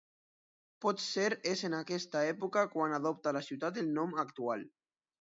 Potser és en aquesta època quan adopta la ciutat el nom actual.